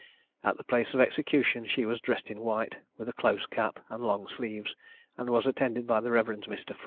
At the place of execution she was dressed in white, with a close cap, and long sleeves, and was attended by the Rev. Mr.